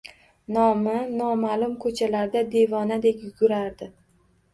Nomi noma’lum ko’chalarda devonadek yugurardi